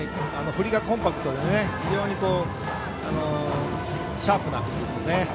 振りがコンパクトで非常にシャープなんですよね。